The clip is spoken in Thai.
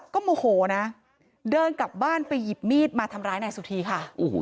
ก็โมโหนะเดินกลับบ้านไปหยิบมีดมาทำร้ายนายสุธีค่ะ